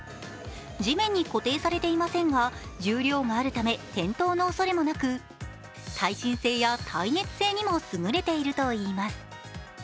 地面に固定されていませんが、重量があるため転倒のおそれもなく耐震性や耐熱性にもすぐれているといいます。